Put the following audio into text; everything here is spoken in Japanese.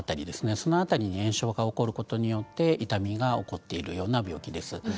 そこに炎症が起こることによって痛みが起こっているような病気です。